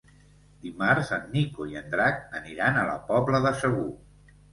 Dimarts en Nico i en Drac aniran a la Pobla de Segur.